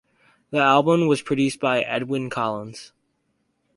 The album was produced by Edwyn Collins.